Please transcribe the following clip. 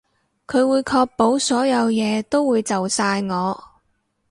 佢會確保所有嘢都會就晒我